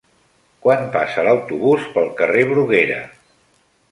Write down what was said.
Quan passa l'autobús pel carrer Bruguera?